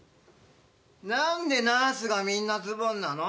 なんでナースがみんなズボンなの？